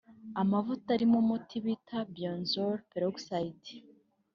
Amavuta arimo umuti bita“benzoyl peroxide”